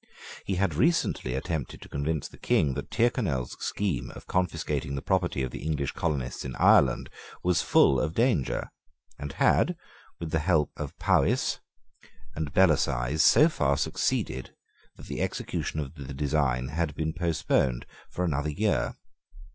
He had recently attempted to convince the King that Tyrconnel's scheme of confiscating the property of the English colonists in Ireland was full of danger, and had, with the help of Powis and Bellasyse, so far succeeded that the execution of the design had been postponed for another year.